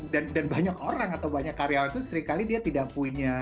dan banyak orang atau banyak karyawan itu seringkali dia tidak punya